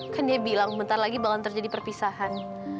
kan dia bilang bentar lagi bakalan terjadi perpisahan